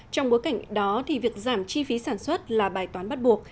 trong bối cảnh đó thì việc giảm chi phí sản xuất là bài toán bắt buộc